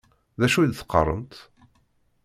D acu i d-teqqaṛemt?